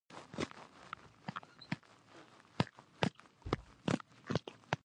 افغانستان په ټوله نړۍ کې د خپل بډایه کلتور له مخې پېژندل کېږي.